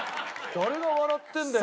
誰が笑ってるんだよ？